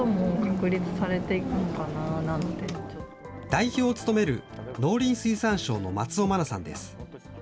代表を務める農林水産省の松尾真奈さんです。